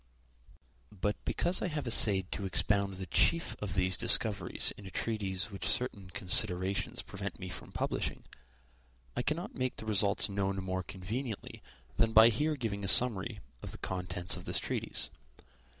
But because I have essayed to expound the chief of these discoveries in a treatise which certain considerations prevent me from publishing, I cannot make the results known more conveniently than by here giving a summary of the contents of this treatise.